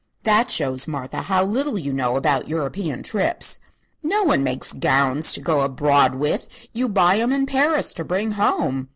"That shows, Martha, how little you know about European trips. No one makes gowns to go abroad with; you buy 'em in Paris to bring home."